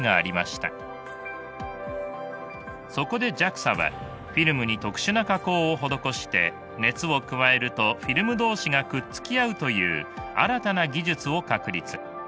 そこでＪＡＸＡはフィルムに特殊な加工を施して熱を加えるとフィルム同士がくっつき合うという新たな技術を確立。